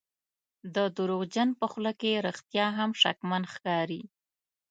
د دروغجن په خوله کې رښتیا هم شکمن ښکاري.